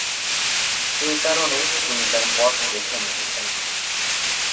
এ কারণেই তিনি তার পথ বেছে নিয়েছেন।